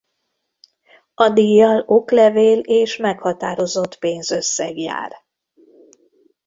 A díjjal oklevél és meghatározott pénzösszeg jár.